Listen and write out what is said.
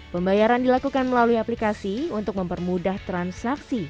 pembayaran dilakukan melalui aplikasi untuk mempermudah transaksi